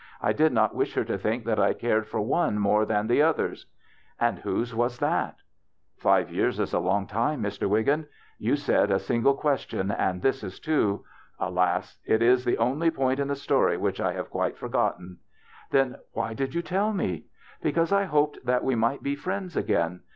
I did not Tvish her to think that I cared for one more than the others." " And whose was that ?"" Five years is a long time, Mr. Wiggin. You said a single question, and this is two. Alas ! It is the only point in the story which I have quite forgotten." " Then why did you tell me ?"" Because I hoped that we might be friends again.